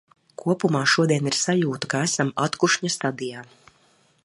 Kopumā šodien ir sajūta, ka esam atkušņa stadijā.